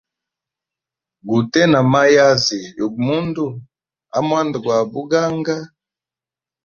Gute na mayazi yugu mundu amwanda gwa buganga.